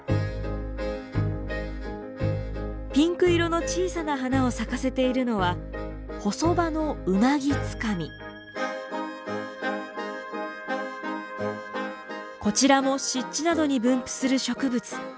ピンク色の小さな花を咲かせているのはこちらも湿地などに分布する植物。